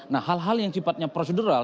nah hal hal yang sifatnya prosedural